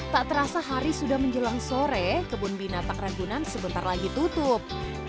tak terasa hari sudah menjelang sore kebun binatang ragunan sebentar lagi tutup